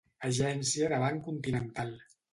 Agència del Banc Continental.